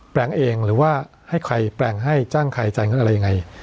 แปลงเองหรือว่าให้ใครแปลงให้จ้างใครจัดงานอะไรอย่างไร